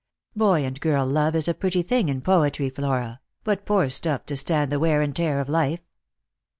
Boy and girl love is a pretty thing in poetry, Flora, but poor stuff to stand the wear and tear of life.